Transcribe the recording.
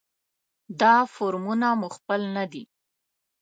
دا فورمونه مو خپل نه دي.